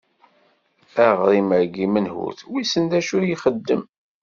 Aɣrim-agi menhut? Wissen d acu yexdem?